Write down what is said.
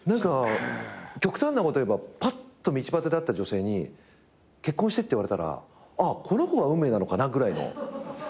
極端なことを言えばぱっと道端で会った女性に「結婚して」って言われたらこの子が運命なのかなぐらいの。